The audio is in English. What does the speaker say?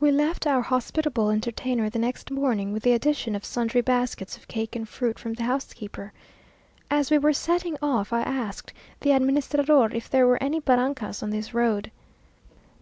We left our hospitable entertainer the next morning, with the addition of sundry baskets of cake and fruit from the housekeeper. As we were setting off, I asked the administrador if there were any barrancas on this road.